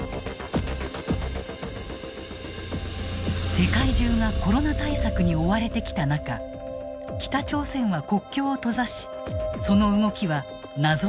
世界中がコロナ対策に追われてきた中北朝鮮は国境を閉ざしその動きは謎に包まれてきた。